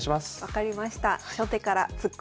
分かりました。